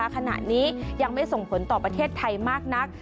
ขณะนี้ยังไม่ส่งผลต่อประเทศไทยมากนัก